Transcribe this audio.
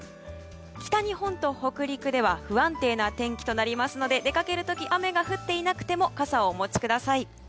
北日本と北陸では不安定な天気となりますので出かける時雨が降っていなくても傘をお持ちください。